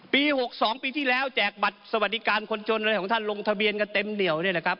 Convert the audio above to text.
๖๒ปีที่แล้วแจกบัตรสวัสดิการคนจนอะไรของท่านลงทะเบียนกันเต็มเหนียวเนี่ยนะครับ